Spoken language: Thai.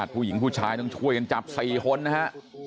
ผู้หญิงผู้ชายต้องช่วยกันจับสี่คนนะฮะ